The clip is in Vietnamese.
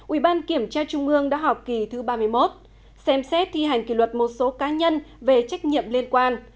ubkc đã họp kỳ thứ ba mươi một xem xét thi hành kỷ luật một số cá nhân về trách nhiệm liên quan